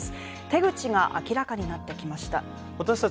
手口が明らかになってきました。